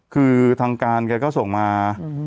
คือทางการแกก็ส่งมา